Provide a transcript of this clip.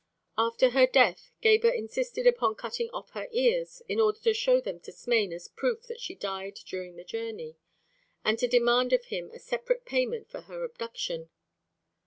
After her death Gebhr insisted upon cutting off her ears in order to show them to Smain as proof that she died during the journey, and to demand of him a separate payment for her abduction.